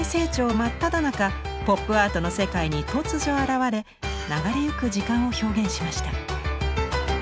真っただ中ポップアートの世界に突如現れ流れゆく時間を表現しました。